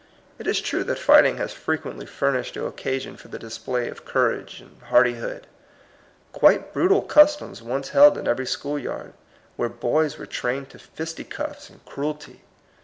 It is true that fighting has frequently furnished the occasion for the display of courage and har dihood. Quite brutal customs once held in every school yard, where boys were trained to fisticuffs and cruelty.